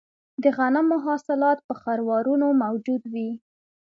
د غنمو حاصلات په خروارونو موجود وي